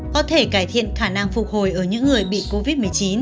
có thể cải thiện khả năng phục hồi ở những người bị covid một mươi chín